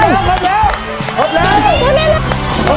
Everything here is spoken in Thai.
เร็วเร็วเร็ว